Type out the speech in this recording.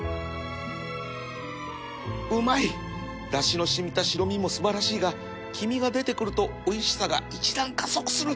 うまい！だしの染みた白身も素晴らしいが黄身が出てくるとおいしさが一段加速する！